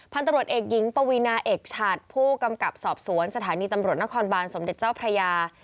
พันธุ์ตำรวจเอกหญิงปวีนาเอกฉัดผู้กำกับสอบสวนสถานีตำรวจนครบานสมเด็จเจ้าพระยา